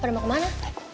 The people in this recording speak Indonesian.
pernah mau kemana